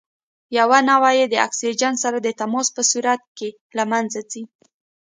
یوه نوعه یې د اکسیجن سره د تماس په صورت کې له منځه ځي.